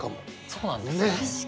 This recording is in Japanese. そうなんですよね。